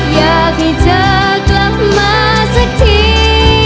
อยากให้เธอกลับมาสักที